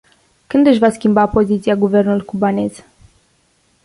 Când își va schimba poziția guvernul cubanez?